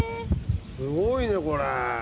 「すごいねこれ」